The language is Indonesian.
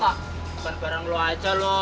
bukan bareng lo aja lo